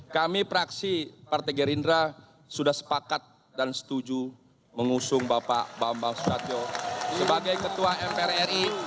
kami praksi partai gerindra sudah sepakat dan setuju mengusung bapak bambang susatyo sebagai ketua mpr ri